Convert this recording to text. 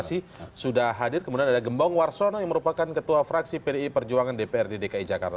terima kasih sudah hadir kemudian ada gembong warsono yang merupakan ketua fraksi pdi perjuangan dprd dki jakarta